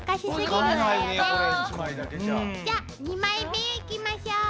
じゃ２枚目へいきましょう。